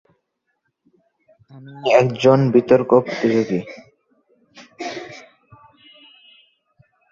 কোন বস্তুর ওপর বাইরে থেকে বল প্রয়োগ করা হলে বস্তুর আকার বা আয়তনে পরিবর্তন ঘটে।